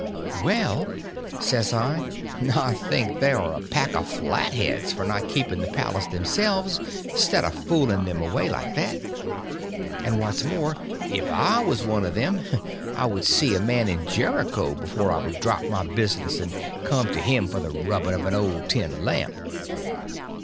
"Well," says I, "I think they are a pack of flat heads for not keeping the palace themselves 'stead of fooling them away like that. And what's more—if I was one of them I would see a man in Jericho before I would drop my business and come to him for the rubbing of an old tin lamp."